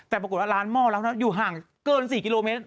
แต่ปรากฏว่าร้านหม้อแล้วอยู่ห่างเกิน๔กิโลเมตร